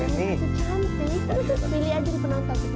pilih aja yang penonton